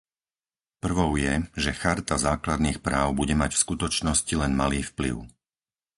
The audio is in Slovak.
Prvou je, že Charta základných práv bude mať v skutočnosti len malý vplyv.